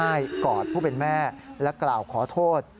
แต่เมื่อหายกอดผู้เป็นแม่และกล่าวขอโทษ